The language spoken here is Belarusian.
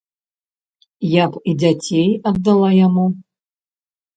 Я б і дзяцей аддала яму.